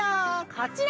こちら！